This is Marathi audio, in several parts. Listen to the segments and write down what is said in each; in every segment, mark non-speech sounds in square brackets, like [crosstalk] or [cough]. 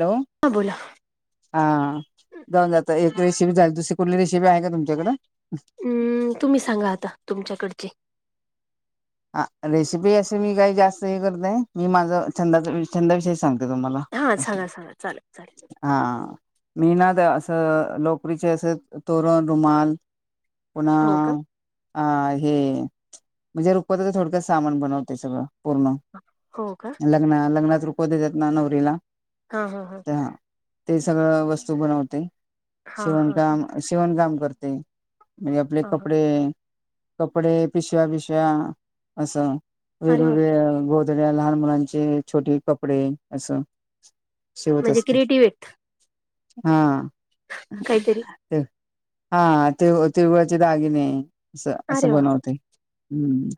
हॅलो हा बोला हा जाऊन जात एक रेषेबी झाल तुसे कुठले रेी आहे का तुच्याकडं हम्म तुम्ही सांगा आता तुमच्याकडची ह रेसिपी असे मी काही जास्त हे करतय मी माझ छंद छंद विषय सांगते तुम्हाला हा अस सांगा सांगा चालेल चालेल हा मेहनात असं लोकप्रियचे असे तोरण रुमाल पुन्हा हो का अ हे म्हणजे ड सा ब पूण हो का दकोतात नानवररिला हा हा हा ते सगळं वस्तू बनवते हा हा शिवणकाम शिवणकाम करते म्हणे आपले हा हा कपडे कपडे पिशव्या बिशव्या असं अरे वा वेगवेगळ्या गोत्या लहान मुलांचे छोटे कपडे असं शिवत म्हणजे असते क्रिएटिव्हट हा ते हा तेव तेवळ्याचे दागिने अस अरे असं वा बनवते हम्म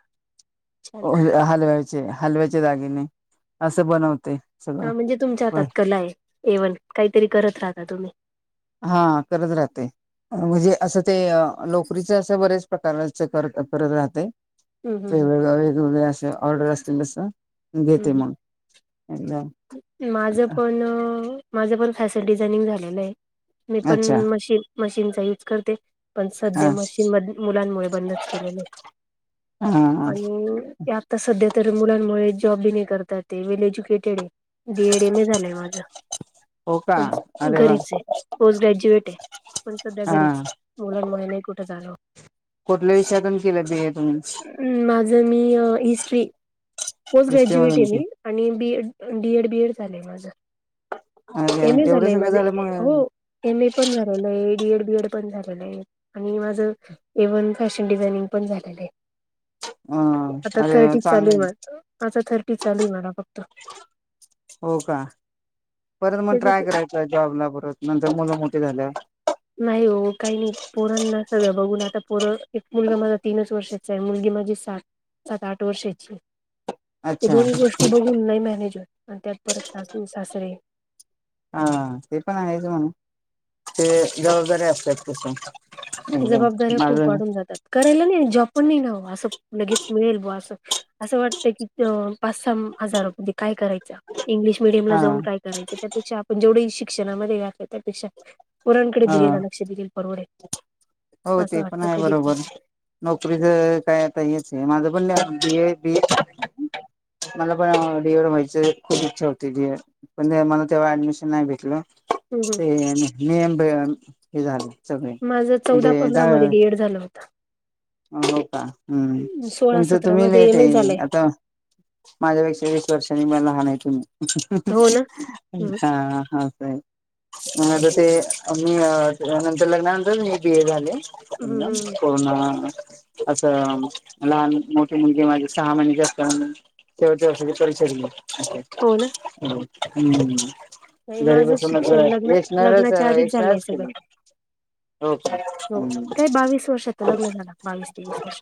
छान हलव्याचे हलव्याच्या जागेने असं बनवत हा म्हणजे तुमच्या हातात कला आहे एवण काहीतरी करत राहता तुम्ही हा करत राहतेे असं ते नोकरीच असं बरेच प्रकारच करत करत राहते हम्म, हम्म, हम्म, वेगवेग वेगवेगळे असे ऑर्डर असतील जसं ह माझ पण माझं पण फॅशन डिझाइनिंग झालेलं आहे मी पण अच्छा मशीन मशीनचा यूज करते पण सध्या हा मशीन म मुलांमुळे बंदच केलेलं हा आणि आता सध्या तर मुलांमुळे जॉबी नाही करतात ते well educated D Ed M A झालंय माझं हो का पण अरे वा घरीच आहे पोस्ट ग्रॅज्युएट आहे पण सध्या हा घरीच मुलांमुळे नाही कुठं झाल कुठल्या विषयाातून केले ते तुम्ही ह पस् हिस्ट्री ग्रुएटड मधून की बीड म अरे ए एवढं झालंय सगळं माझ झालं मग हो एम ए पण झा बीएड बीएड पण झालेलं आहे आणि माझं एव्हन फॅशन डिझाइनिंग पण झालेलं आहे अ अरे चांगलं थ चाल आहे मला हो का परत मग ट्राय त्याच्यात करायचं जॉबला परत नंतर मुलं मोठ झाल्या नाही हो काही नाही पोरांना सगळ बघून आता पोर एक मुलगा माझा तीनच वर्षाचा आहे मुलगी माझे सात सात आठ वर्षाची ते अच्छा दोन्ही हा गोष्टी बघून नाही मॅनेजर आणि त्यात परत सासून सासरे हा ते पण आहेच म्हणून ते जबाबदारी असतय तस एकदम जबाबदाऱ्या खूप माझं वाढून जातात करायला नाही जॉब पण नाही नवं असं लगेच मिळेल ब असं असं वाटत की पाच सहा हजार मध्ये काय करायचं इंग्लिश मिीडियम ला हा जाऊन काय करायचं त्यापेक्षा आपण जेवढे शिक्षणामध्ये घातलं त्यापेक्षा पोरांकडे हा दिलेल लक्ष दिलेल परवडेल हो असं ते पण वाटतं आहे कधी बरोबर नोकरीच काय आताच आहे माझ बोल बीए बीए मला पण डी एड व्हायच खूप इच्छा होती. डीड पण मला तेव्हा ऍडमिशन नाही भेटलं हं हं ते नियम हे झाले सगळे माझं चौदा म्हणजे द पंधरा मध्ये डीएड झालं होत हो का हम्म सोळा तुमचं सतरा तुम्ही मध्ये लेट एम ए आहे झालंय आता माझ्यापेक्षा वीस वर्षांनी मला त हो ना हम्म हा ह आहे ंतर ते मी नंतर लग्नानंतर मी बी ए झाले हम्म कोरोना असं लहान मोठे मुलगे माझे सहा महिने जास्त तेव्हा तेवसाठी कर हो ना शले ह् नाही घरी माझं बसून मात शिक्षण लग्न येश नाहीच लग्नाच्या आधीच एश झालंय नाहीच क सगळं हो हो काम काय बावीस वर्षात लग्न झालं बावीस तेवीस वर्ष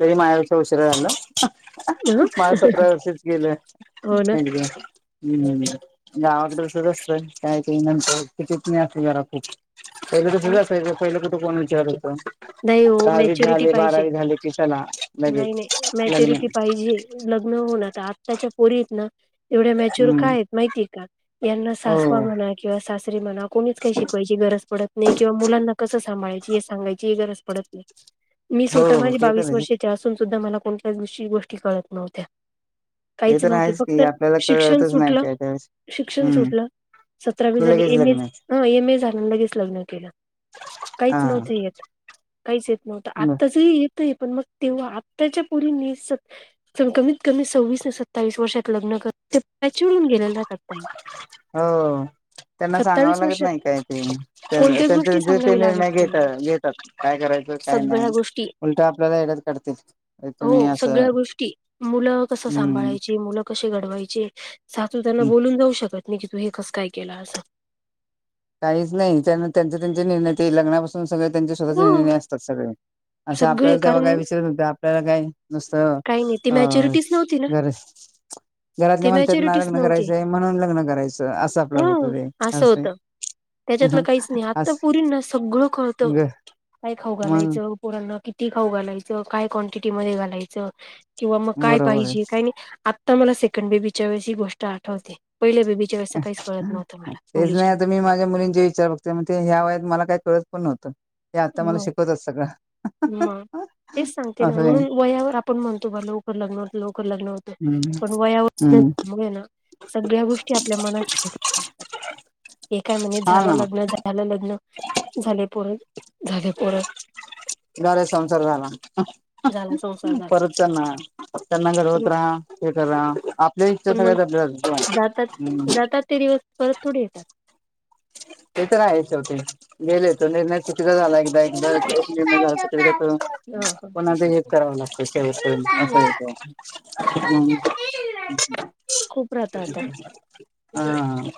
तरी उशिरा झाले हं माझ सतरा वर्षच गेलं हो ना एक हम् गावाकडे दिस असतय काय काही नंतर कितीत नाही अस जरा खूप पहिलं कुठं जा पहिलं कुठे कोण विचारू हो द हो मॅच्युरिटी पाहिजे चला नाही लगेच नाही लग्न मॅच्युरिटी पाहिजे लग्न हो आ च्या पोरीत एवढ्या मॅच्युर हम्म काय माहिती का यांना हो सासवा म्हणा किंवा मला कोणीच काही शिकवायची गरज पडत नाही किं मुलां कसं सांभायची सांगाय ही गरज पडत नाही मी स्वतः हो माझी ते बावीस तर वर्षाचीअसून सूध्दा कोणत्या दुशी गोष्टी कळत नव्हत्या. ते काहीच तर नव्हते आहेच की फक्त. आपल्याला शिक्षण कळतच नाही सुटलं. काय त्यावेळेस शिक्षण हम्म सुटलं. सतरावी की लगेच झाली एम. लग्न ए. एम. ए झाल आणि लगेच लग्न केलं. काहीच हा नव्हत येत. काहीच येत नव्हतं आत्ताच येतय पण मग तेव्हा आताच्या पोरींनी कमीत-कमी सव्वीस ते सत्तावीस वर्षात लग्न चिडून गेल्या नाहीं का ताई. हो. त्यांना सांगावं सत्तावीस लागत वर्षात नाही काय ते तेच कोणत्याच गोष्टी ते सांगावी लागत निर्णय घेत नाही. तात काय करायचं. काय सगळ्या नाही. गोष्टी उलट आपल्याला एड्यात काढतील तुम्ही हो असं सगळ्या गोष्टी मुलं कस हम्म सांभाळायची. मुलं कसे घडवायची. सासु त्यांना बोलून जाऊ शक शकत नाही की तू हे कसं काय केलं असं. काहीच नाही त्यांचे-त्यांचे निर्णय ते लग्नापासून सगळे त्यांचे स्वतःचे ह निर्णय असतात सगळे. असं सगळे आपल्याला तेव्हा काय कारण विचरत नवतं आपल्याला काय. नुसतं काही नाही ती अ मॅच्युरिटीच नव्हती ना घर. घरातले ती म्हणतातना. मॅच्युरिटीच लग्न नव्हती करायचंय म्हणून लग्न करायचं. असं ह आपलं होत असं आहे. त्याच्यातलं काहीच नाही. आत्ता पोरींना ना सगळं कळतं. ग काय खाऊ मग घालायचं. पोरांना किती. ती खाऊ घालायचं. काय क्वांटिटी मध्ये घालायचं. किंवा मग काय बरोबर आहे पाहिजे. काय नाही. आता मला सेकंड बेबीच्या वेळसची गोष्ट आठवते. पहिल्या बेबीच्या वेळेस तर काहीच कळत नव्हतं मला तेच नाही मुलीच्या आता मी माझ्या मुलींचे विचार बघते. म्हनते मला ह्या वयात काय कळत नाही ते आता मला वेळेस शिकवतात सगळं. मग तेच सांगते. ना असं आहे. म्हणून वयावर आपण म्हणतो बर लवकर लग्न. लवकर लग्न होत हम्म पण वयावर हम्म ना. सगळ्या गोष्टी आपल्या मनातात. एका महिन्यात हा ना झालं लग्न. झालं लग्न. झाली पोर. झाली पोर. घर संसार झाला. झाला संसार परत झाला पोर हुत्याला ना त्यांना घडवत पण राहा. ते करा आपल्या इच्छा पण सगळ्या मग दबल्या जातात जातात ते दिवस परत थोडे येतात ते तर आहेच. शेवटी गेले येतो निर्णय ह [unintelligible] असं ह हाय काय. हम्म. खूप राहता आता हा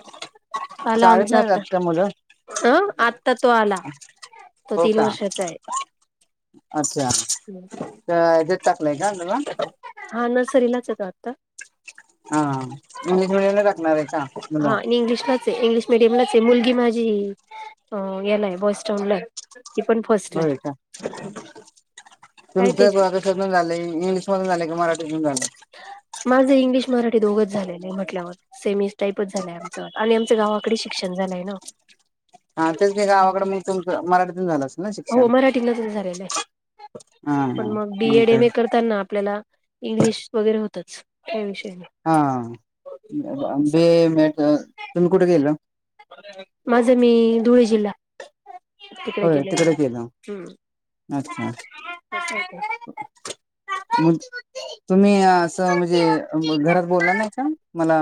आला शाळेत आमचा नाही आता. जात का मुलं ह आत्ता तो आला. तो हो तीन का वर्षाचा अच्छा. आहे हेच्यात टाकलंय का तुला. हा नर्सरीलाच हाय तो आता. हा इंग्लिश मिडियम टाकणार आहे. का मुलं हा इंग्लिशलाच इंग्लिश मिडियमलाच आहे. मुलगी माझी जी हेला हाय बॉसस्टँडला आहे. ती पण फर्स्टला होय आहे का काय तुमच [inaudible] तेच कस झालंय. इंग्लिश मधून झाले का मराठी. माझं इंग्लिश मराठी दोघच झालेय नाहीं आहे म्हटल्यावर. सेमी टाईपच झालय. आमच आणि आमचं गावाकडे ही शिक्षण झालंय ना. हां तेच की गावाकडं मी तुमचं, मराठीतून झालं अस् ना हो शिक्षण. मराठीतून झालेलं आहे हा हा पण मंग बी मग एड काय एम ए करताना आपल्याला इंग्लिश वगैरे होतंच. त्या विष हां ब अब असं. आंबे म तुम्ही कुठे गेल माझं, मी धुळे जिल्हा. तिकडे होय केलेलं आहे तिकडेच येल, हम्म अच्छा. तुम्ही आंस् त म्हणजे घरात बोलला नाही का? मला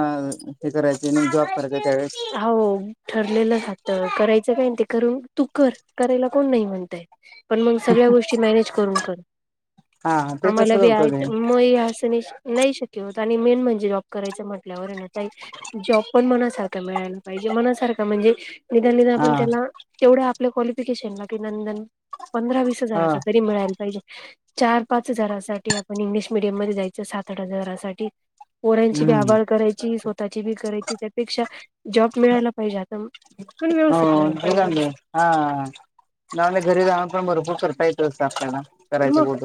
हे करायचे जॉब करायचा त्यावेळेस हो ठरलेलं जातं कराय च बंद करू. तू कर, करायला कोण नाही म्हणतंय? पण मंग सगळ्या गोष्टी मॅनेज करून कर. हा ते आमाला तसंच बी होतं आहेत ते म हे आस नाही श् नही श कि त आणि मेन म्हणजे जॉब करायचं म्हटल्यावर ना काई जॉब पण मनासारखा मिळायला पाहिजे, मनासारखं म्हणजे निदान नि हा आपण त्याला तेवढा पल्या क्वालिफिकेशन ला कि नंदन पंधरा वीस हा हजाराचं तरी मिळाल पाहिजे. चार पाच हजारासाठी आपण इंग्लिश मिडियम मध्ये जायचं सात आठ हजारासाठी पोरांची बी हम्म आभ करायची स्वतःची बी करायची त्यापेक्षा जॉब मिळायला पाहिजे आप हो ते जौंदे, आं जौंद घरी जाऊ पण भरपूर कर कायच अस् आपल्याला, करायचं मग बत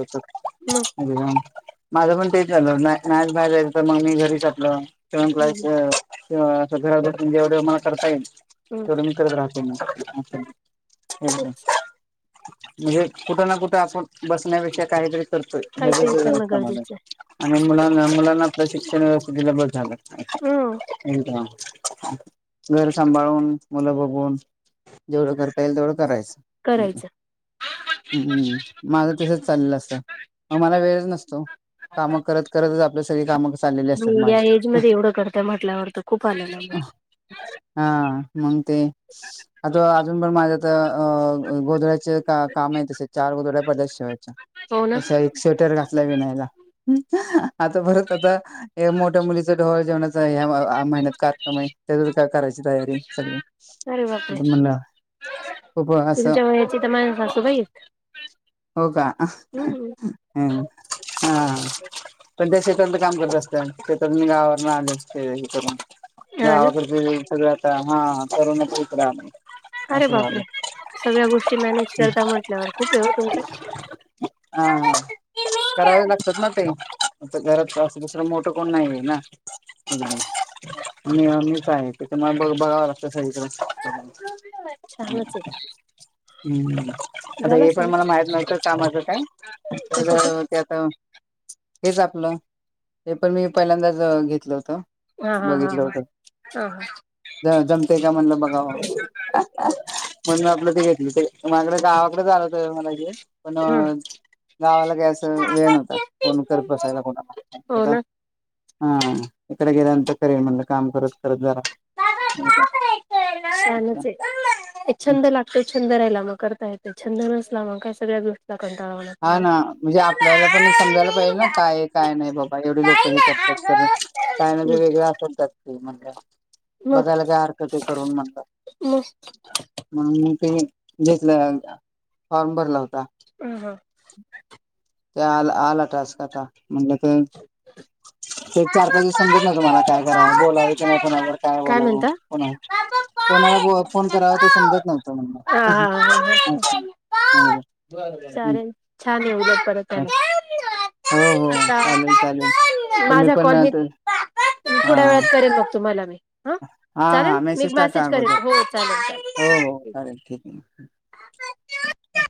मग होतं. [unintelligible] माझं पण तेच जालं नाय-नायज भा जायज त मग मी घरीच आपलं तवन हम्म क्लास च [unintelligible] जेवडं मातार पाईन हम्म तेवढं मी करत राहते म तेच [unintelligible] म्हणजे कुठं ना कुठं असो बसण्यापेक्षा काहीतरी करतय काहीतरी ह्याज करणं गरजेचं [unintelligible] आणि मुलाना-मुलांना शिक्षण व्यवस्त दिल्या बर झालं. आहे ह घर सांभाळून मुलं बघून. जेवढं करता येईल तेवढं करायचं. करायचं. हम्मम माझं तसच चाललेल असत. मग मला वेळच नसतो ओ. कामं करत-करतच आपल. सगळी कामं चाललेले असतात या माझी. एज मध्ये एवढं करतय म्हटल्यावर तर खूप आलेलं मग हा. मग ते. आता अजून पण माझ्या आ गोधड्या काम आहे. तसे चार गोधड्या पडल्यात शिवायच्या हो ना अस एक स्वेटर विनायला. आता परत आता मोठ्या मुलीच डोहाळजेवणच. या महिन्यात कार्यक्रम आहेत. त्याचच काय करायच. तयारी सगळी अरे बापरे तर म्हणलं. खूप असं तुमच्या वयाची त माझ सासूबाई हाईत! हो का. ह न ह. पन त्या शेतातल काम. पण असत. ते तर मी गावावर आले असते. हे करून हा ना गावाकड सगळ्यात हा. [inaudible] अरे असं बापरे. झालं. सगळ्या गोष्टी मॅनेज करता म्हटल्यावर खूप. हो तुमच्या हा करावेच लागतात ना ते. आ घरात असतो. दुसरा मोठ कोण नाही आहे ना. मीच आहे ते म बघ बघावं लागत सगळी कडे. छानच आहे हम्म आता झाला हे. पण मला स्वयंपाक माहीत नव्हतं कामाचं काय. कशाचा तर त्यात. हेच आपलं. हे पण मी पहिल्यांदाच घेतलं होत. हा. हा. हा. हा. ह हा. जमतय का म्हणलं बघाव. म्हणून मी आपलं ते घेतलं ते मागडे गावाकडे झालत मला ते पण हम्म गावाला गॅस मिळत नव्हता. कोण करत बसायला कोणा हो अता ना हा इकडे गेल्यानंतर करेन म्हणलं काम करत करत जरा. [unintelligible] छानच ये ए छंद लागतो छंद राहिला मग करता येत छंद नस ला मग का सगळ्याच गो हा ना म्हणजे आपल्याला पण समजायला पाहिजे ना काय काय नाही बाबा एवढे लोक येत्यात. काय मग म्हणजे वेगळे असतात तर म्हणजे मग बघायला काय हरकत आहे करून म्हणतात. मग [inaudible] म्हणून मी ते मी घेतलेला होता. फॉर्म भरला होता. ह ह. ते आला आला टास्क अता म्हणलं तर [inaudible] ते चार पाच दिवसांपू म तुम्हाला काय कराव. बोलायचं नाही काय कुणावर काय बोलाव? कुणाला फोन कराव ते समजत नव्हत हा म्हणून हा हा हा म [unintelligible] चालेल छान आहे उदट परत. हो हो आता चालेल चालेल. तुम्ही माझा पण कॉल हा मी हा थोड्या वेळात करेन बघ तु मला मी. हा चालेल हा मी मेसेज टाका करेल अगोदर हो चालेल हो हो चालेल चालेल ठीक आहे. ह..